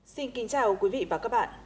xin kính chào quý vị và các bạn